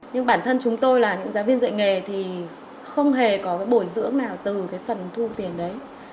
nhưng bản thân chúng tôi là những giáo viên dạy nghề thì không hề có cái bồi dưỡng nào từ cái phần thu tiền đấy